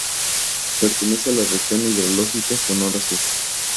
Pertenece a la región hidrológica Sonora Sur.